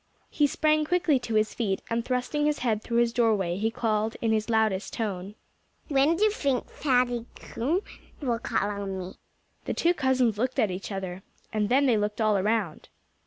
He sprang quickly to his feet; and thrusting his head through his doorway, he called in his loudest tone: "When do you think Fatty Coon will call on me?" The two cousins looked at each other. And then they looked all around.